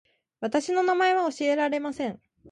私の名前は教えられません